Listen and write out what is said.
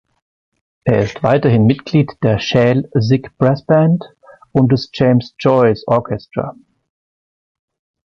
Er ist weiterhin Mitglied der Schäl Sick Brass Band und des James Choice Orchestra.